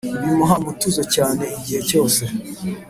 bimuha umutuzo cyane igihe cyose.